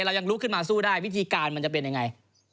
เรายังลุกขึ้นมาสู้ได้วิธีการมันจะเป็นยังไง